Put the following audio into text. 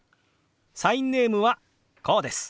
サインネームはこうです。